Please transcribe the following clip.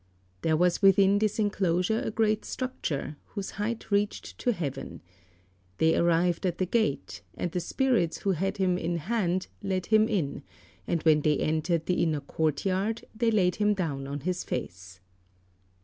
There was within this enclosure a great structure whose height reached to heaven. They arrived at the gate, and the spirits who had him in hand led him in, and when they entered the inner courtyard they laid him down on his face.